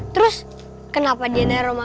terus kenapa dia nanya rumah kak